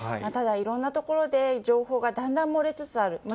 ただ、いろんな所で情報がだんだん漏れつつある。